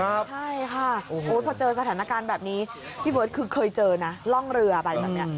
ใช่ค่ะพอเจอสถานการณ์แบบนี้พี่เบิร์ตคือเคยเจอนะร่องเรือไปแบบนี้